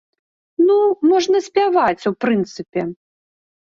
Ну, можна спяваць, у прынцыпе.